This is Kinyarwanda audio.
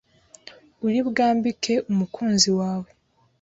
uri bwambike umukunzi wawe